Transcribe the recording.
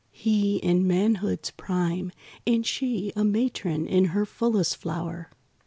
He in manhood's prime And she a matron in her fullest flower.